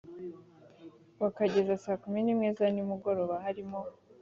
bakageza saa kumi n imwe za nimugoroba harimo